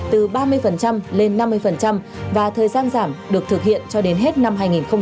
từ ba mươi lên năm mươi và thời gian giảm được thực hiện cho đến hết năm hai nghìn hai mươi